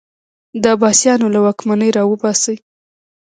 د عباسیانو له واکمني راوباسي